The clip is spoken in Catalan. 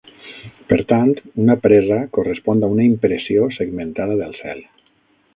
Per tant una presa correspon a una "impressió" segmentada del cel.